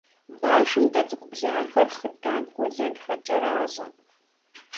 Башым дэ цӀыкӀу блахэр, хъыдан къуэлэнхэр кӀэращӀэ.